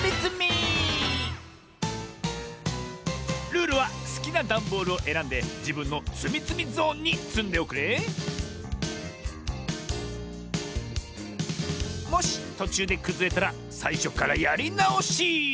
ルールはすきなダンボールをえらんでじぶんのつみつみゾーンにつんでおくれもしとちゅうでくずれたらさいしょからやりなおし！